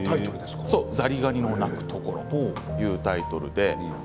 「ザリガニの鳴くところ」というタイトルです。